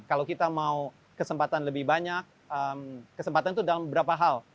kalau kita mau kesempatan lebih banyak kesempatan itu dalam beberapa hal